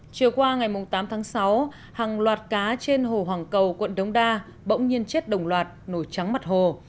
chiều qua ngày tám tháng sáu hàng loạt cá trên hồ hoàng cầu quận đống đa bỗng nhiên chết đồng loạt nổi trắng mặt hồ